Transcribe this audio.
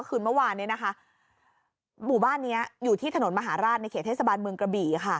คืนเมื่อวานเนี่ยนะคะหมู่บ้านเนี้ยอยู่ที่ถนนมหาราชในเขตเทศบาลเมืองกระบี่ค่ะ